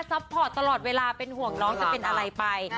พอร์ตตลอดเวลาเป็นห่วงน้องจะเป็นอะไรไป